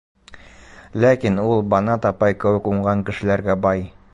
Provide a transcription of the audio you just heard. Ләкин ул Банат апай кеүек уңған кешеләргә бай.